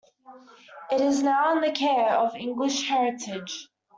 It is now in the care of English Heritage.